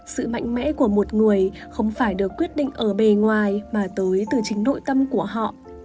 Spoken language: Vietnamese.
sự mạnh mẽ của một người không phải được quyết định ở bề ngoài mà tới từ chính nội tâm của họ